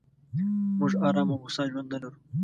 موږ ارام او هوسا ژوند نه لرو.